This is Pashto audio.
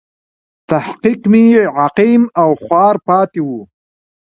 تحقیق مې عقیم او خوار پاتې و.